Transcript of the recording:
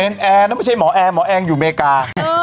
แอร์นะไม่ใช่หมอแอร์หมอแอร์อยู่อเมริกา